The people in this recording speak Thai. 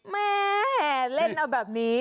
แม่เล่นเอาแบบนี้